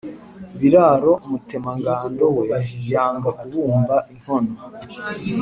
Biraro Mutemangando we, yanga kubumba inkono,